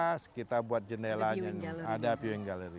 pembicara lima puluh sembilan kita buat jendelanya ada viewing gallery